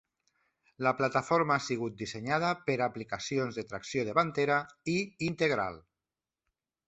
La plataforma ha sigut dissenyada per a aplicacions de tracció davantera i integral.